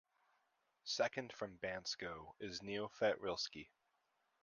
Second from Bansko is Neofit Rilski.